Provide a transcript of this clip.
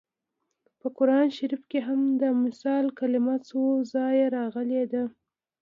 په قران شریف کې هم د مثل کلمه څو ځایه راغلې ده